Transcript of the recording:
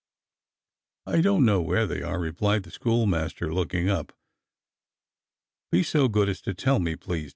"I don't know where they are," replied the school master, looking up. "Be so good as to tell me, please.